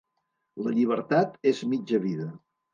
La llibertat és mitja vida.